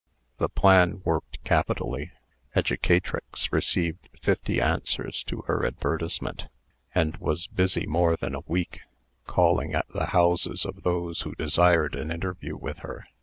The plan worked capitally. "Educatrix" received fifty answers to her advertisement, and was busy more than a week calling at the houses of those who desired an interview with her.